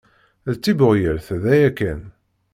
D tibbuɣyelt daya kan.